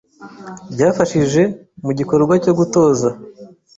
byafashije mu gikorwa cyo gutoza;